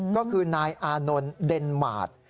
ก็คือนายอานนท์เดนมาร์ท